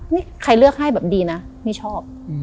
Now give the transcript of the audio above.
นี่ใครเลือกให้แบบดีนะนี่ชอบ